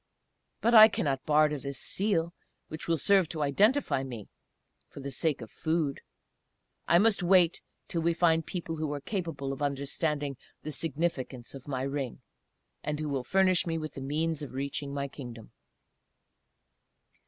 But I cannot barter this Seal, which will serve to identify me, for the sake of food. I must wait till we find people who are capable of understanding the significance of my ring, and who will furnish me with the means of reaching my Kingdom."